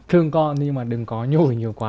thương con nhưng mà đừng có nhồi nhiều quá